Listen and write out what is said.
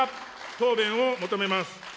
答弁を求めます。